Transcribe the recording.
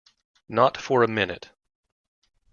Not for a minute.